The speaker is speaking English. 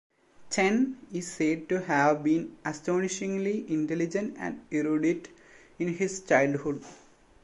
Chen is said to have been astonishingly intelligent and erudite in his childhood.